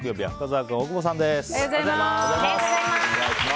木曜日は深澤君、大久保さんです。